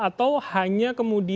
atau hanya kemudian